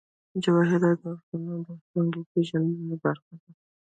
جواهرات د افغانانو د فرهنګي پیژندنې برخه ده.